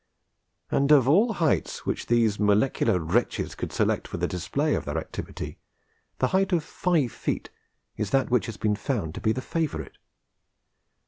And of all heights which these molecular wretches could select for the display of their activity, the height of five feet is that which has been found to be the favourite.